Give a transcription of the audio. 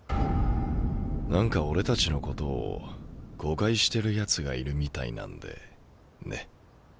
何か俺たちのことを誤解してるやつがいるみたいなんでね。